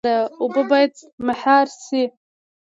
اوبه باید مهار شي